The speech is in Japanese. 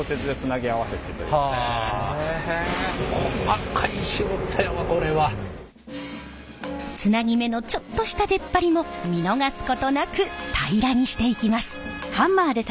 毎回毎回つなぎ目のちょっとした出っ張りも見逃すことなく平らにしていきます。